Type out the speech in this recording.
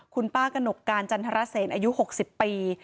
คุณป้ากระหนกการจันทรเซนอายุ๖๐ปี